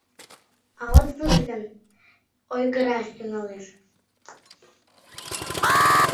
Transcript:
— А от возо гын, ойгыраш тӱҥалеш.